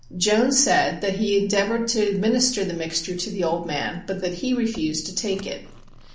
Jones said that he endeavored to administer the mixture to the old man, but that he refused to take it.